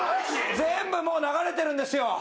全部もう流れてるんですよ。